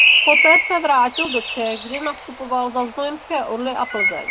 Poté se vrátil do Čech kde nastupoval za Znojemské Orly a Plzeň.